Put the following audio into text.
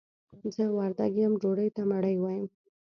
زه وردګ يم ډوډۍ ته مړۍ وايم.